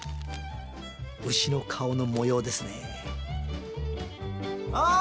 うしの顔の模様ですねああ